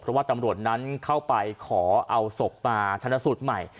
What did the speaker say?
เพราะว่าตำรวจนั้นเข้าไปขอเอาศพมาธนสูตรใหม่